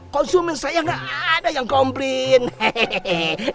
konsumen saya gak ada yang komplain hehehe